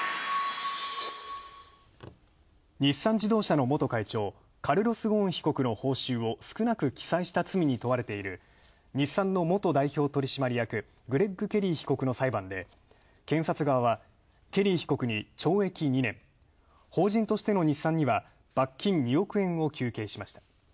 日産自動車の元会長、カルロス・ゴーン被告の報酬を少なく記載した罪に問われている日産の元代表取締役のグレッグ・ケリー被告の裁判で検察側はケリー被告に懲役２年、法人としての日産には罰金２億円を求刑しました。